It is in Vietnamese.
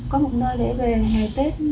có một nơi để về ngày tết